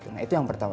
nah itu yang pertama